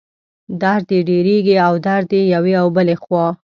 درد یې ډېرېږي، دا درد یوې او بلې خوا